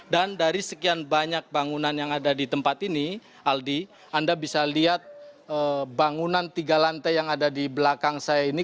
dan dari sekian banyak bangunan yang ada di tempat ini aldi anda bisa lihat bangunan tiga lantai yang ada di belakang saya ini